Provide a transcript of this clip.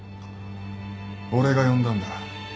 俺が呼んだんだ。